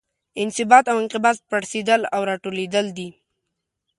انبساط او انقباض پړسیدل او راټولیدل دي.